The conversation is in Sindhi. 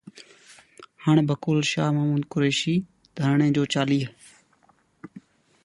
هاڻ بقول شاهه محمود قريشي، ڌرڻي جو چاليهه